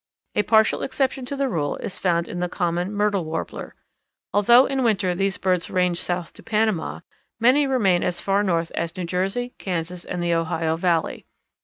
A partial exception to the rule is found in the common Myrtle Warbler. Although in winter these birds range south to Panama, many remain as far north as New Jersey, Kansas, and the Ohio Valley.